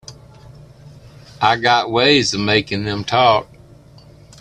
I got ways of making them talk.